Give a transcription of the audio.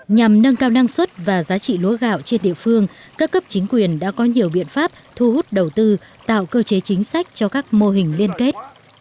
nhằm nâng cao năng suất và giá trị lúa gạo trên địa phương các cấp chính quyền đã có nhiều biện pháp thu hút đầu tư tạo cơ chế chính sách cho các mô hình liên kết